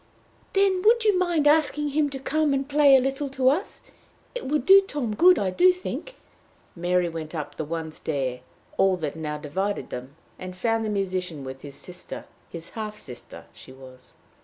"Then would you mind asking him to come and play a little to us? It would do Tom good, I do think." Mary went up the one stair all that now divided them, and found the musician with his sister his half sister she was.